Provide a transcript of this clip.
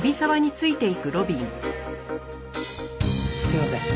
すいません。